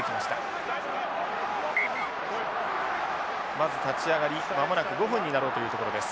まず立ち上がり間もなく５分になろうというところです。